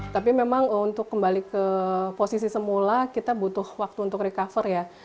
tapi memang untuk kembali ke posisi semula kita butuh waktu untuk recover ya